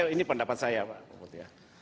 ini pendapat saya pak luhut ya